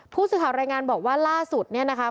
ผู้สื่อข่าวรายงานบอกว่าล่าสุดเนี่ยนะคะ